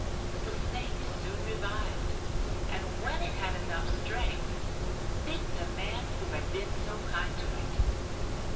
The Snake soon revived, and when it had enough strength, bit the man who had been so kind to it.